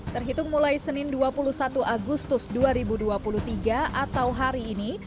terhitung mulai senin dua puluh satu agustus dua ribu dua puluh tiga atau hari ini